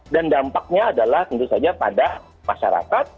dan dampaknya adalah tentu saja pada masyarakat